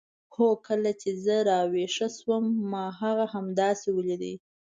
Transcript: هو کله چې زه راویښه شوم ما هغه همداسې ولید.